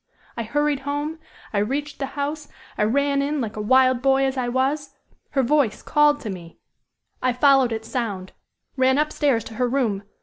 I hurried home. I reached the house. I ran in like a wild boy as I was. Her voice called me. I followed its sound ran up stairs to her room.